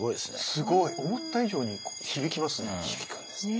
すごい。思った以上に響きますね。